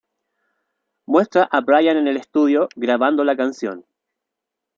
Muestra a Brian en el estudio 'grabando' la canción.